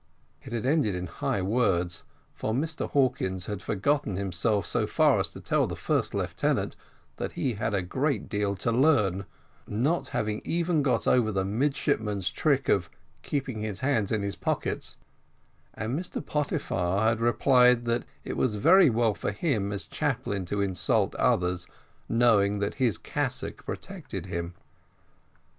It had ended in high words, for Mr Hawkins had forgotten himself so far as to tell the first lieutenant that he had a great deal to learn, not having even got over the midshipman's trick of keeping his hands in his pockets; and Mr Pottyfar had replied that it was very well for him as chaplain to insult others, knowing that his cassock protected him.